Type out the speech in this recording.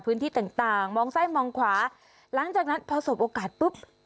พื้นที่ต่างมองใส่มองขวาหลังจากนั้นพอสมบัติออกการปุ๊บ